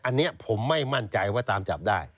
อันนี้ผมไม่มั่นใจว่าตามจับได้